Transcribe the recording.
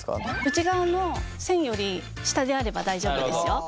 内側の線より下であれば大丈夫ですよ。